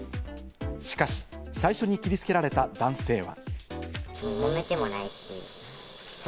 しかし最初に切り付けられた男性は。